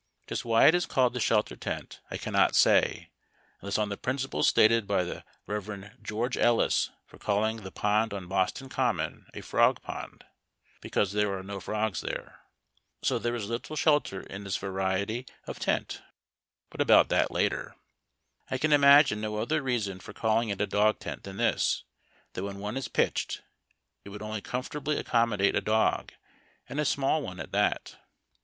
Just why it is called the shelter tent I cannot say, unless on the principle stated by tlie Rev. George Ellis for calling the pond on Boston Common a Frog Pond, viz : because there are no frogs there. So there is little shelter in this variety 52 HA 111) TACK AND COFFEE. of tent. But about that later. I cau imagiue uo other reason for calling it a dog tent than this, that when one is pitched it would only comfortably accommodate a dog, and a small one at that.